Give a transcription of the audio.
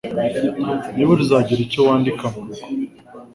Nibura uzagira icyo wandika murugo.